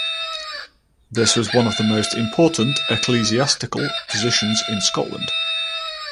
This was one of the most important ecclesiastical positions in Scotland.